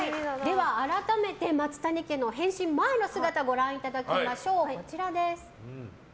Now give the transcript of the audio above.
改めて松谷家の変身前の姿をご覧いただきましょう。